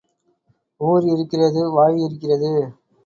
ஊர் இருக்கிறது வாய் இருக்கிறது.